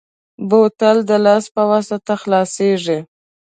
بوتل د لاس په واسطه خلاصېږي.